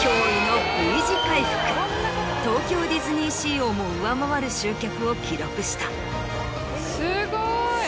東京ディズニーシーをも上回る集客を記録した。